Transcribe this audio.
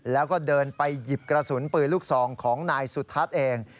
แล้วก็เดินไปหยิบกระสุนปืนลูกซองของนายสุทัศน์เอง